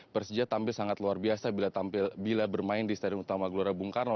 persija tampil sangat luar biasa bila bermain di stadion utama gelora bung karno